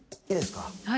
いいですか？